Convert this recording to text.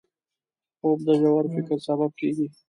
خوب د ژور فکر سبب کېږي